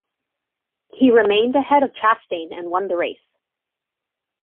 He remained ahead of Chastain and won the race.